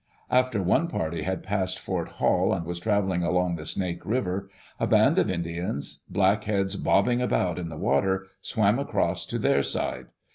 Aftej* one party had passed Fort Hall and was travel ing along the Snake River, a band of Indians, black heads bobbing about in the water, swam across to their side.